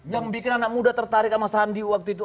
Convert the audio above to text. yang bikin anak muda tertarik sama sandi waktu itu